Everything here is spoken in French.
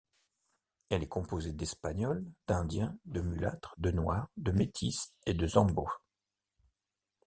Elle est composée d'Espagnols, d'Indiens, de Mulâtres, de Noirs, de Métis et de Zambos.